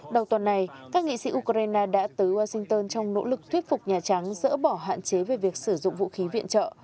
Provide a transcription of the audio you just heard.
đầu tuần này các nghị sĩ ukraine đã tới washington trong nỗ lực thuyết phục nhà trắng dỡ bỏ hạn chế về việc sử dụng vũ khí viện trợ